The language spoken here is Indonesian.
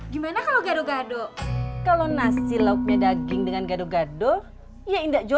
gimana kalau gado gado kalau nasi lauknya daging dengan gado gado ya indah jual